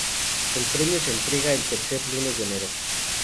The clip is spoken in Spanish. El premio se entrega el tercer lunes de enero.